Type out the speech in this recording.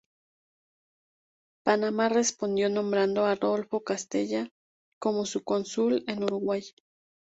Panamá respondió nombrando a Rodolfo Castella como su cónsul en Uruguay.